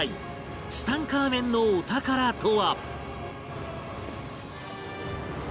ツタンカーメンのお宝とは？